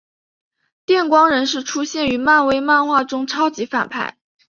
电光人是出现于漫威漫画中超级反派。